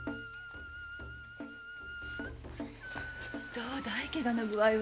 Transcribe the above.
どうだいケガの具合は？